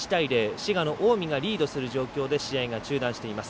滋賀の近江がリードする状況で試合が中断しています。